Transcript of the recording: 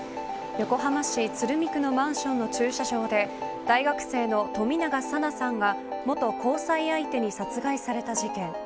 横浜市鶴見区のマンションの駐車場で大学生の冨永紗菜さんが元交際相手に殺害された事件。